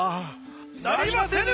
・なりませぬ！